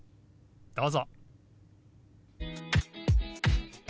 どうぞ。